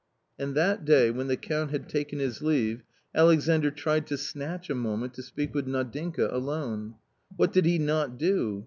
And that day, when the Count had taken his leave, Alexandr tried to snatch a moment to speak with Nadinka alone. What did he not do?